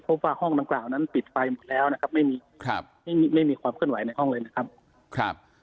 เพราะว่าห้องดังกล่าวนั้นติดไฟหมดแล้วนะครับไม่มีความเคลื่อนไหวในห้องเลยนะครับ